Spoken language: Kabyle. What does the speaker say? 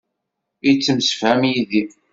Yettemsefham yid-i.